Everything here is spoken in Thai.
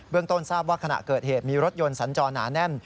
ต้นทราบว่าขณะเกิดเหตุมีรถยนต์สัญจรหนาแน่น